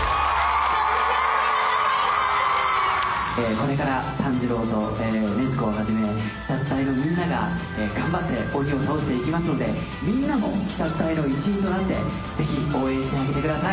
・これから炭治郎と禰豆子をはじめ鬼殺隊のみんなが頑張って鬼を倒していきますのでみんなも鬼殺隊の一員となってぜひ応援してあげてください。